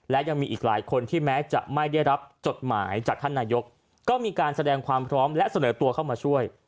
และยังมีอีกหลายคนที่แม้จะไม่ได้รับจดหมายจากท่านนายกก็มีการแสดงความพร้อมและเสนอตัวเข้ามาช่วย